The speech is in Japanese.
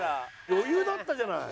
余裕だったじゃない。